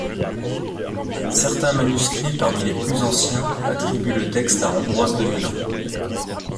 Certains manuscrits parmi les plus anciens attribuent le texte à Ambroise de Milan.